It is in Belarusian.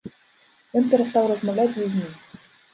Ён перастаў размаўляць з людзьмі.